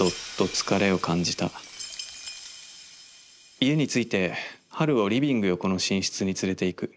「家についてはるをリビング横の寝室に連れて行く。